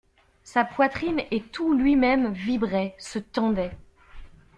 Sa poitrine et tout lui-même vibraient, se tendaient.